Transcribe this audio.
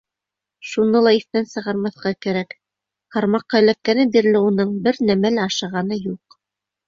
Шуны ла иҫтән сығармаҫҡа кәрәк: ҡармаҡҡа эләккәне бирле уның бер нәмә лә ашағаны юҡ.